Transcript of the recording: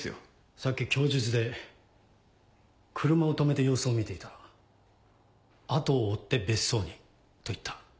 さっき供述で「車を止めて様子を見ていた後を追って別荘に」と言った。